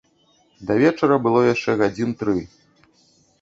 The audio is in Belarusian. Да вечара было яшчэ гадзін тры.